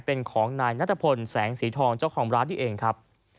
เป็นของนายนัทพลแสงสีทองเจ้าของร้านนี่เองครับ